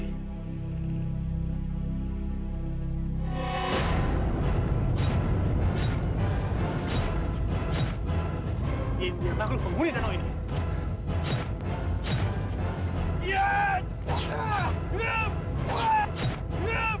ini makhluk penghuni dendam ini